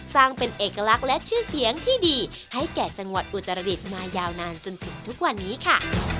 สร้างเป็นเอกลักษณ์และชื่อเสียงที่ดีให้แก่จังหวัดอุตรดิษฐ์มายาวนานจนถึงทุกวันนี้ค่ะ